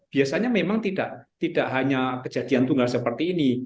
biasanya memang tidak hanya kejadian tunggal seperti ini